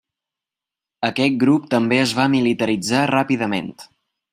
Aquest grup també es va militaritzar ràpidament.